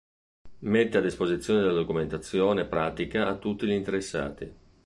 Mette a disposizione della documentazione pratica a tutti gli interessati.